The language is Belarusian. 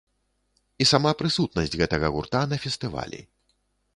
І сама прысутнасць гэтага гурта на фестывалі.